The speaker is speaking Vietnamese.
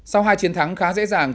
sau hai chiến thắng khá dễ dàng